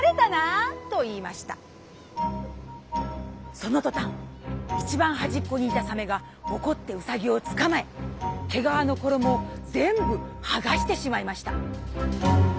そのとたんいちばんはじっこにいたサメがおこってうさぎをつかまえ毛がわのころもをぜんぶはがしてしまいました」。